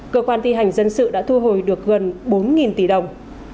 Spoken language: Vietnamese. cơ quan thi hành dân sự đã thu hồi được gần bốn tỷ đồng